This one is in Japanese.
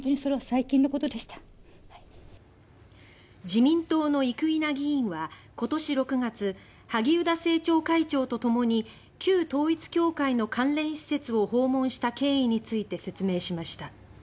自民党の生稲議員は、今年６月萩生田政調会長とともに旧統一教会の関連施設を訪問した経緯について説明しました。